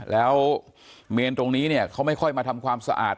แล้วเมนตรงนี้เนี่ยเขาไม่ค่อยมาทำความสะอาด